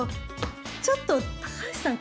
ちょっと高橋さん